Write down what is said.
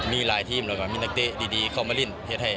มีหลายทีมมีนักเต้ดีเข้ามาริน